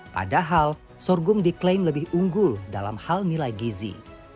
padahal sorghum diklaim lebih unggul dalam hal nilai gizi